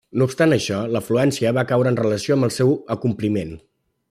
No obstant això, l'afluència va caure en relació amb el seu acompliment.